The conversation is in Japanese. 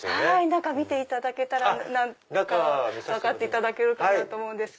中見ていただけたら分かっていただけると思うんです。